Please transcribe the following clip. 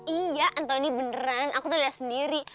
iya anthony beneran aku tuh udah sendiri